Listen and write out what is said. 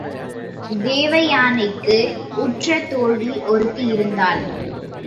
தேவையானைக்கு உற்ற தோழி ஒருத்தி இருந்தாள்.